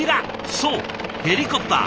そうヘリコプター。